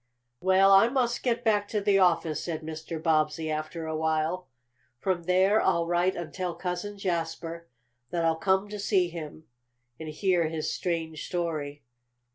"Well, I must get back to the office," said Mr. Bobbsey, after a while. "From there I'll write and tell Cousin Jasper that I'll come to see him, and hear his strange story."